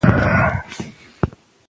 دولت د اقتصاد د تنظیم لپاره قوانین لري.